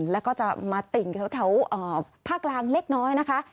แล้วก็จะมาติ่งแถวภาคกลางเล็กน้อยนะคะ